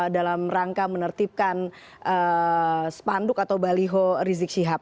dalam rangka menertibkan spanduk atau baliho rizik syihab